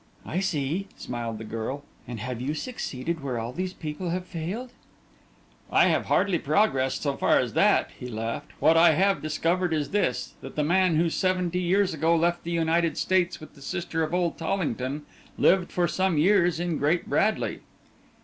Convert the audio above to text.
"I see," smiled the girl; "and have you succeeded where all these people have failed?" "I have hardly progressed so far as that," he laughed. "What I have discovered is this: that the man, who seventy years ago left the United States with the sister of old Tollington, lived for some years in Great Bradley."